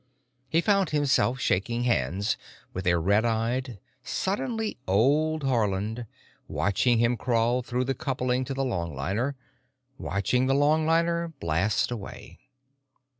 He found himself shaking hands with a red eyed, suddenly old Haarland, watching him crawl through the coupling to the longliner, watching the longliner blast away.